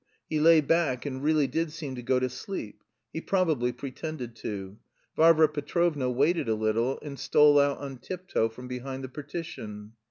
_ He lay back and really did seem to go to sleep (he probably pretended to). Varvara Petrovna waited a little, and stole out on tiptoe from behind the partition.